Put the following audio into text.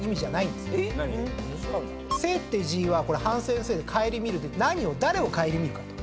「省」って字はこれ反省の「省」で「省みる」で何を誰を省みるかと。